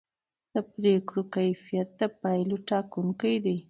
د پرېکړو کیفیت د پایلو ټاکونکی دی